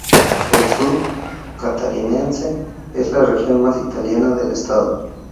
El Sur catarinense es la región más italiana del Estado.